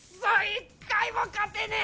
一回も勝てねえ。